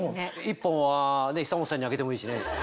１本は久本さんにあげてもいいしね。